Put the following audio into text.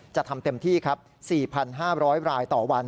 จะทำเต็มที่ครับ๔๕๐๐รายต่อวัน